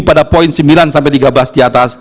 pada poin sembilan sampai tiga belas di atas